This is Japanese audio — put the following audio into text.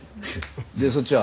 でそっちは？